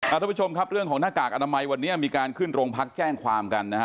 อัธิบาปชมเรื่องหน้ากากอนามัยวันนี้มีการขึ้นโรงพรรคแจ้งความหรอก